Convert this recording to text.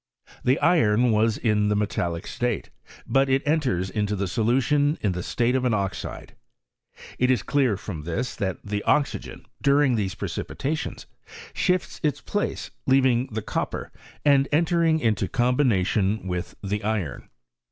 The iron s in the metallic state ; but it enters into the so * ion in the state of an oxide. It is clear from this It the oxygen, during these precipitations, shifts {dace, leaving the copper, and entering into com lation with the iron.